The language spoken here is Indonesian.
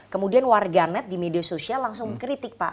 kemudian warganet di media sosial langsung kritik pak